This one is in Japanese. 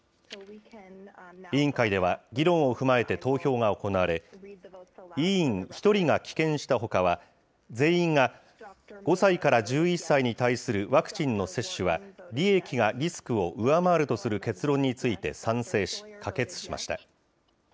委員会では、議論を踏まえて投票が行われ、委員１人が棄権したほかは、全員が５歳から１１歳に対するワクチンの接種は、利益がリスクを上回るとする結論について賛成し、可決しました。